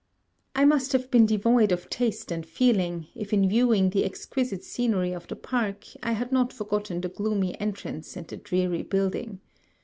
I must have been devoid of taste and feeling, if in viewing the exquisite scenery of the park, I had not forgotten the gloomy entrance and the dreary building.